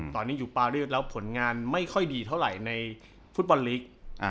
ตอนนี้อยู่ปารีสแล้วผลงานไม่ค่อยดีเท่าไหร่ในฟุตบอลลีก